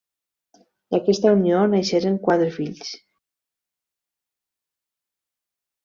D'aquesta unió naixerien quatre fills: